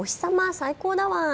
最高だワン。